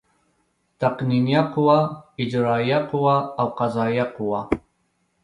تقنینیه قوه، اجرائیه قوه او قضایه قوه.